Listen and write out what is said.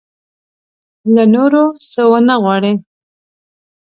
له نورو څه ونه وغواړي.